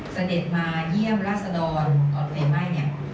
เสด็จมาเยี่ยมราษฎรก่อนเตยไหม้เนี่ย